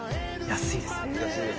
安いですね。